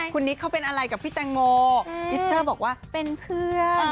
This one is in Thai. คุณนิกเขาเป็นอะไรกับพี่แตงโมอิสเตอร์บอกว่าเป็นเพื่อน